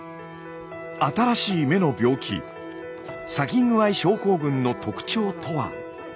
新しい目の病気サギングアイ症候群の特徴とは。